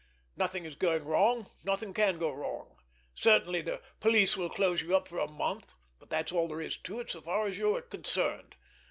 Nothing is going wrong, nothing can go wrong. Certainly, the police will close you up for a month, but that's all there is to it, so far as you are concerned.